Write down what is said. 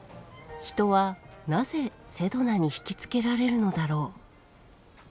人はなぜセドナに引き付けられるのだろう？